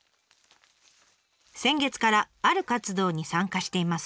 先月からある活動に参加しています。